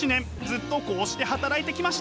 ずっとこうして働いてきました。